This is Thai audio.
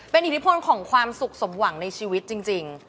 เป็นอิทธิพลของความสุขสมหวังในชีวิตจริง